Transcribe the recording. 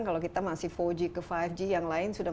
kalau kita masih empat g ke lima g yang lain sudah